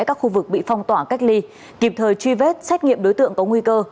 các khu vực bị phong tỏa cách ly kịp thời truy vết xét nghiệm đối tượng có nguy cơ